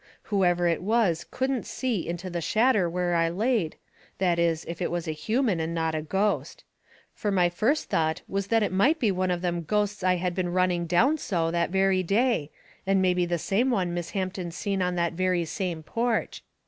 Whoever it was couldn't see into the shadder where I laid, that is, if it was a human and not a ghost. Fur my first thought was it might be one of them ghosts I had been running down so that very day, and mebby the same one Miss Hampton seen on that very same porch.